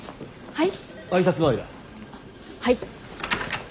はい。